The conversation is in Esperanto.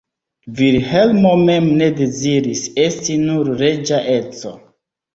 Vilhelmo mem ne deziris esti nur reĝa edzo.